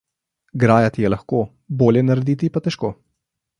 Grajati je lahko, bolje narediti pa težko.